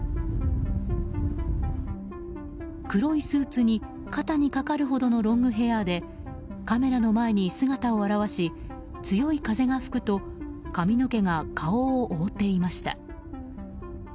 黒いスーツに肩にかかるほどのロングヘアでカメラの前に姿を現し強い風が吹くと髪の毛が顔を覆っていました。